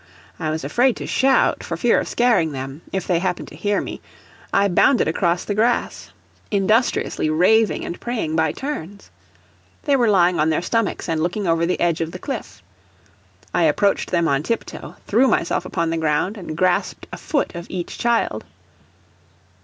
I was afraid to shout, for fear of scaring them, if they happened to hear me, I bounded across the grass, industriously raving and praying by turns. They were lying on their stomachs and looking over the edge of the cliff. I approached them on tip toe, threw myself upon the ground, and grasped a foot of each child.